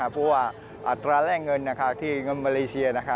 เพราะว่าอัตราแรกเงินที่เงินมาเลเซีย